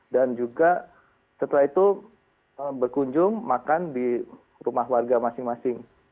dan juga setelah itu berkunjung makan di rumah warga masing masing